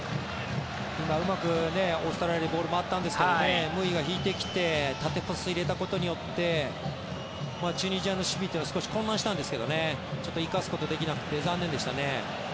今、うまくオーストラリアにボールが渡ったんですけどムーイが引いてきて縦パスを入れたことによってチュニジアの守備というのは少し混乱したんですけど少し生かすことができなくて残念でしたね。